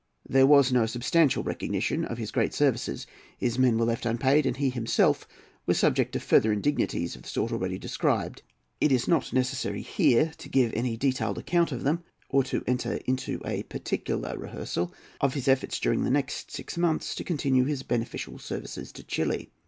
There was no substantial recognition of his great services. His men were left unpaid, and he himself was subjected to further indignities of the sort already described. It is not necessary here to give any detailed account of them, or to enter into a particular rehearsal of his efforts during the next six months to continue his beneficial services to Chili.